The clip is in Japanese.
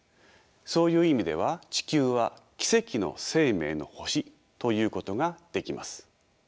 そういう意味では地球は奇跡の生命の星ということができます。